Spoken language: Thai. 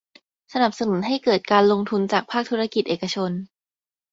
สนับสนุนให้เกิดการลงทุนจากภาคธุรกิจเอกชน